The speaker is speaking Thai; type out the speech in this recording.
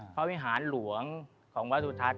วิหารหลวงของวัดสุทัศน